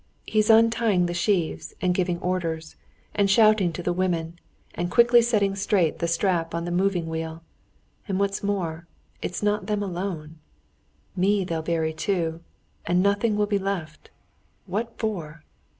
He's untying the sheaves, and giving orders, and shouting to the women, and quickly setting straight the strap on the moving wheel. And what's more, it's not them alone—me they'll bury too, and nothing will be left. What for?"